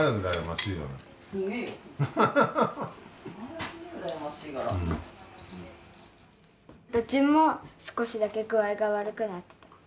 旬も少しだけ具合が悪くなってた。